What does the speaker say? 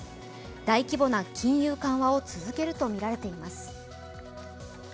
大規模な金融緩和を続けるとみられています。